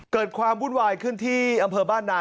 เกิดความวุ่นวายขึ้นที่อำเภอบ้านนา